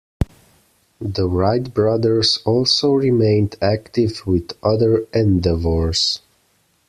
The Wright brothers also remained active with other endeavors.